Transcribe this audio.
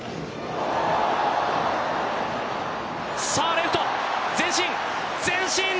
レフト前進、前進！